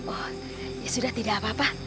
oh ya sudah tidak apa apa